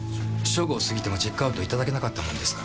正午を過ぎてもチェックアウト頂けなかったものですから。